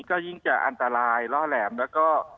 ก็ยิ่งจะอันตรายล่อแหลมแล้วก็